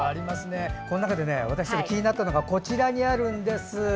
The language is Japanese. この中で私気になったのがこちらにあるんです。